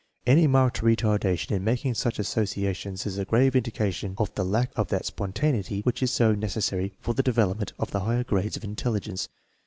Any marked retardation in making such associations is a grave indication of the lack of that spon taneity which is so necessary for the development of the higher grades of intelligence.